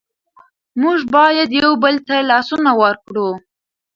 موږ باید یو بل ته لاسونه ورکړو.